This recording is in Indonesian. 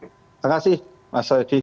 terima kasih mas reddy